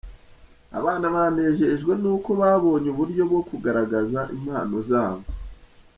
Abana banejejwe nuko babonye uburyo bwo kugaragaza impano zabo